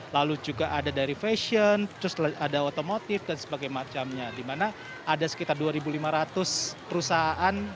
lalu juga ada dari fashion terus ada otomotif dan sebagainya dimana ada sekitar dua lima ratus perusahaan